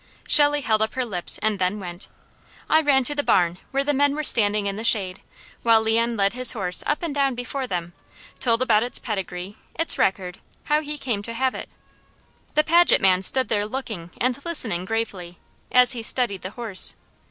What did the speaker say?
Shelley held up her lips, and then went. I ran to the barn, where the men were standing in the shade, while Leon led his horse up and down before them, told about its pedigree, its record, how he came to have it. The Paget man stood there looking and listening gravely, as he studied the horse.